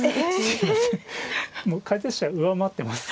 もう解説者上回ってます。